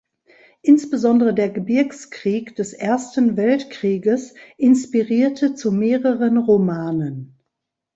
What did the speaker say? Insbesondere der Gebirgskrieg des Ersten Weltkrieges inspirierte zu mehreren Romanen.